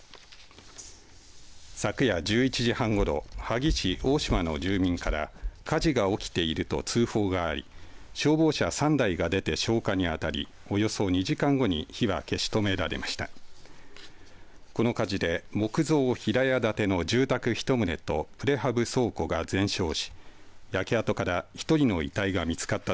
昨夜１１時半ごろ萩市大島の住民から火事が起きていると通報があり消防車３台が出て消火にあたりおよそ２時間後に火は消し止められました。